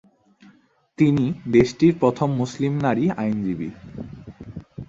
তিনি দেশটির প্রথম মুসলিম নারী আইনজীবী।